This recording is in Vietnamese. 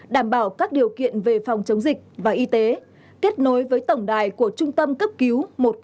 đảm bảo các điều kiện về phòng chống dịch và y tế kết nối với tổng đài của trung tâm cấp cứu một trăm một mươi năm